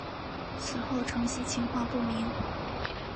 此后承袭情况不明。